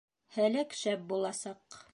— Һәләк шәп буласаҡ!